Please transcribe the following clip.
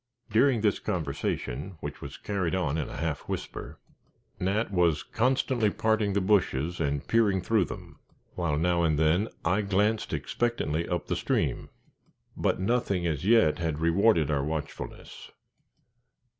During this conversation, which was carried on in a half whisper, Nat was constantly parting the bushes and peering through them, while now and then I glanced expectantly up the stream; but nothing as yet had rewarded our watchfulness.